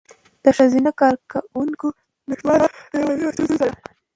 د ښځینه کارکوونکو نشتوالی یوه لویه ستونزه ده.